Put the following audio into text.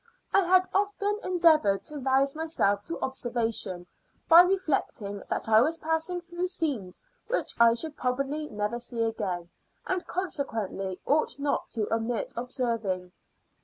I had often endeavoured to rouse myself to observation by reflecting that I was passing through scenes which I should probably never see again, and consequently ought not to omit observing.